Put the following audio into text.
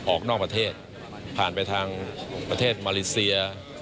ออกนอกประเทศผ่านไปทางประเทศมาเลเซีย